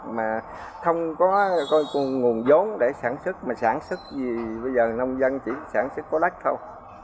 mà không có nguồn vốn để sản xuất mà sản xuất bây giờ nông dân chỉ sản xuất có đất thôi